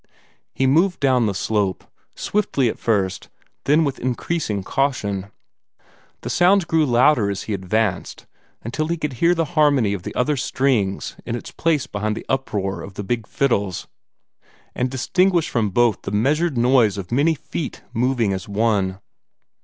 He moved down the slope, swiftly at first, then with increasing caution. The sounds grew louder as he advanced, until he could hear the harmony of the other strings in its place beside the uproar of the big fiddles, and distinguish from both the measured noise of many feet moving as one.